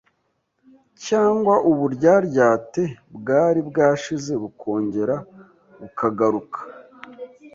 cyangwa uburyaryate bwari bwashize bukongera bukagaruka